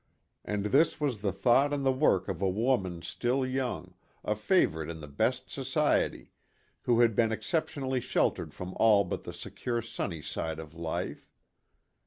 And this was the thought and the work of a woman still young, a favorite in the best society, who had been exceptionally sheltered from all but the secure sunny side of life.